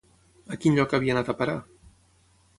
A quin lloc havia anat a parar?